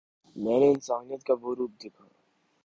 میں نے انسانیت کا وہ روپ دیکھا